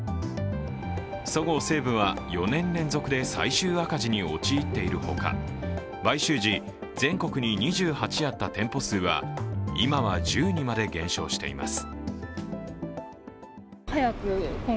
そごう・西武は４年連続で最終赤字に陥っているほか、買収時、全国に２８あった店舗数は今は１０にまで減少しています。